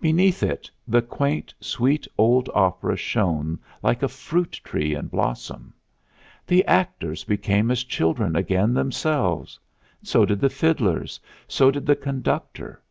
Beneath it the quaint, sweet old opera shone like a fruit tree in blossom. The actors became as children again themselves; so did the fiddlers; so did the conductor.